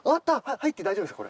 入って大丈夫ですか？